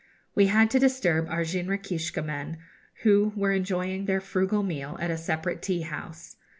We had to disturb our jinrikiska men, who were enjoying their frugal meal at a separate tea house.